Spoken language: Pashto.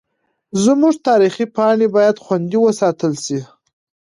زموږ تاریخي پاڼې باید خوندي وساتل سي.